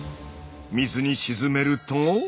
水に沈めると。